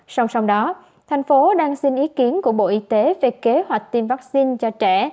song song đó thành phố đang xin ý kiến của bộ y tế về kế hoạch tiêm vaccine cho trẻ